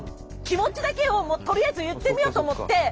気持ちだけをとりあえず言ってみようと思って。